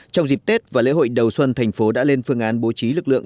trong dịp tết và lễ hội đầu xuân thành phố đã lên phương án bố trí lực lượng